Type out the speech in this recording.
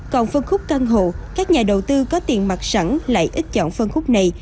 còn phân khúc căn hộ các nhà đầu tư có tiền mặt sẵn lại ít chọn phân khúc này